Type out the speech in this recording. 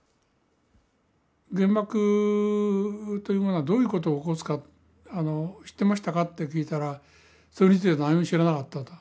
「原爆というものがどういうことを起こすか知ってましたか？」って聞いたらそれについては何も知らなかったと。